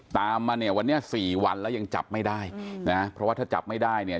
ตามมาเนี่ยวันนี้สี่วันแล้วยังจับไม่ได้นะเพราะว่าถ้าจับไม่ได้เนี่ย